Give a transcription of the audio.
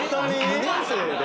２年生で？